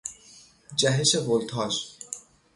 جهش ولتاژ